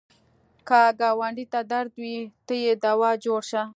که ګاونډي ته درد وي، ته یې دوا جوړ شه